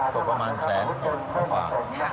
ตกประมาณแสนกว่า